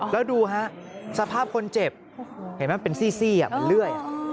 แล้วดูฮะสภาพคนเจ็บเห็นไหมมันเป็นซี่มันเลื่อย